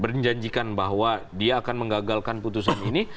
berjanjikan bahwa dia akan menggagalkan putusan ini